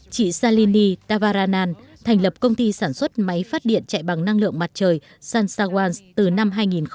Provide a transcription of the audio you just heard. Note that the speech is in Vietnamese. chị salini tavaranan thành lập công ty sản xuất máy phát điện chạy bằng năng lượng mặt trời sansawans từ năm hai nghìn một mươi bốn